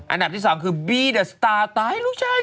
อันดับที่สองเปียนหลูกชาย